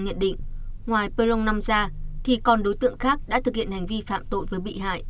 nhận định ngoài perlong năm ra thì còn đối tượng khác đã thực hiện hành vi phạm tội với bị hại